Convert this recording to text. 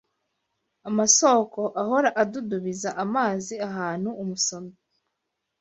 amasōko ahora adudubiza amazi ahantu umusomyi